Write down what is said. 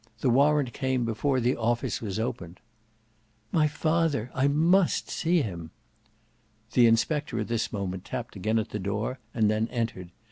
The warrant came before the office was opened." "My father! I must see him." The inspector at this moment tapped again at the door and then entered.